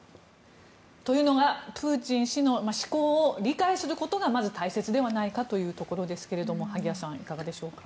というのがプーチン氏の思考を理解することがまず大切ではないかというところですが萩谷さん、いかがでしょうか。